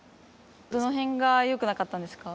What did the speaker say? どのへんがよくなかったんですか？